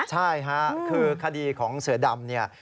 ใช่ค่ะคือคดีของเสือดำ